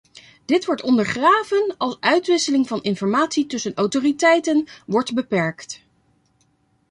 Dit wordt ondergraven als uitwisseling van informatie tussen autoriteiten wordt beperkt.